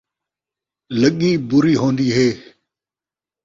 لڳی بری ہون٘دی ہے